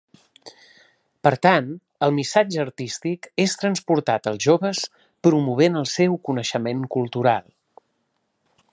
Per tant, el missatge artístic és transportat als joves promovent el seu coneixement cultural.